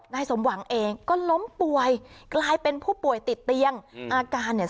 สมหวังเองก็ล้มป่วยกลายเป็นผู้ป่วยติดเตียงอาการเนี่ย